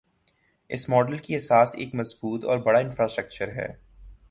اس model کی اساس ایک مضبوط اور بڑا انفراسٹرکچر ہے۔